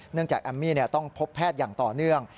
จากแอมมี่ต้องพบแพทย์อย่างต่อเนื่อง